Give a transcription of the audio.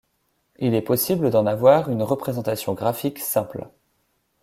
Il est possible d'en avoir une représentation graphique simple.